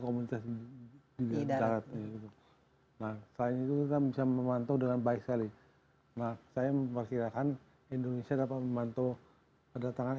komunitas di darat nah selain itu kita bisa memantau dengan baik sekali nah saya memperkirakan indonesia dapat memantau kedatangan